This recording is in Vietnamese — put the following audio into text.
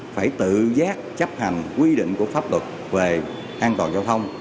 phải tự giác chấp hành quy định của pháp luật về an toàn giao thông